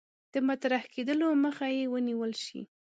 د مطرح کېدلو مخه یې ونیول شي.